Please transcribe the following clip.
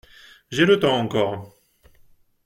J’ai le temps encore.